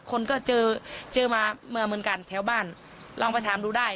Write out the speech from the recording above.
คนก็เจอเจอมามาเหมือนกันแถวบ้านลองไปถามดูได้